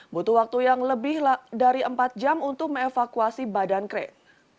butuh waktu yang lebih dari empat jam untuk mengevakuasi badan kren